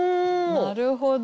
なるほど。